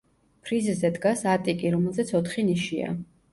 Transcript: ფრიზზე დგას ატიკი, რომელზეც ოთხი ნიშია.